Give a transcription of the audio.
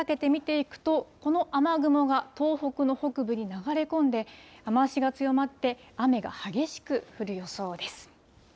このあと、あすの明け方にかけて見ていくと、この雨雲が東北の北部に流れ込んで、雨足が強まって、雨が激しく降る予想です。